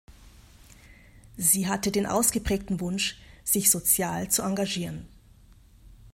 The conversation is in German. Sie hatte den ausgeprägten Wunsch, sich sozial zu engagieren.